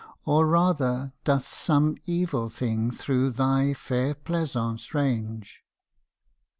Or rather doth some evil thing through thy fair pleasaunce range?